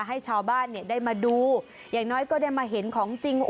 ให้ชาวบ้านเนี่ยได้มาดูอย่างน้อยก็ได้มาเห็นของจริง